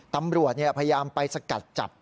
ตำรวจพยายามไปสกัดจับ